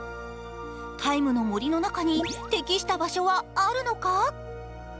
ＴＩＭＥ，の森の中に適した場所はあるのか？